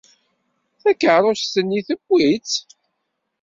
Takeṛṛust-nni, newwi-tt.